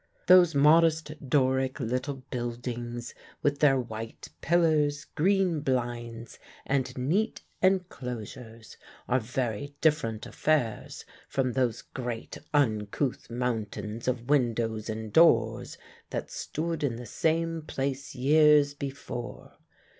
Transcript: Those modest Doric little buildings, with their white pillars, green blinds, and neat enclosures, are very different affairs from those great, uncouth mountains of windows and doors that stood in the same place years before.